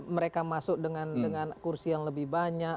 mereka masuk dengan kursi yang lebih banyak